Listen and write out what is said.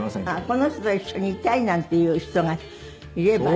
この人と一緒にいたいなんていう人がいれば。